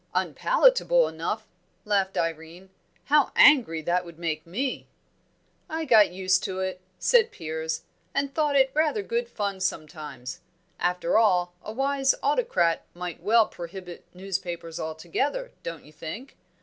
"Unpalatable enough!" laughed Irene. "How angry that would make me!" "I got used to it," said Piers, "and thought it rather good fun sometimes. After all, a wise autocrat might well prohibit newspapers altogether, don't you think?